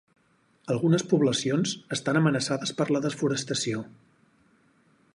Algunes poblacions estan amenaçades per la desforestació.